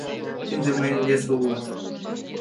Ынде мыйын весе уло